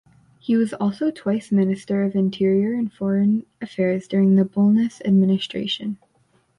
He was also twice Minister of Interior and Foreign Affairs during the Bulnes administration.